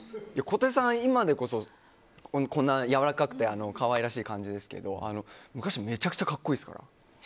小手さん、今でこそこんなやわらかくて可愛らしい感じですけど昔、めちゃくちゃ格好いいですから。